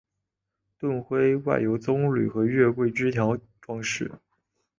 盾徽外由棕榈和月桂枝条装饰。